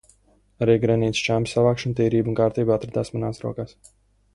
Arī granīta šķembu savākšana, tīrība un kārtība atradās manās rokās.